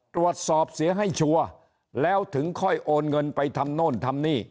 ตรวจสอบเสียให้ชัวร์แล้วถึงค่อยโอนเงินไปทำโน่นทำนี่